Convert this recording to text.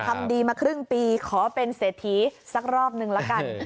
ทำดีมาครึ่งปีขอเป็นเศรษฐีสักรอบนึงละกัน